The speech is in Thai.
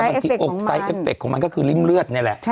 สายเอฟเฟคของมันบางทีอกสายเอฟเฟคของมันก็คือริ่มเลือดนี่แหละ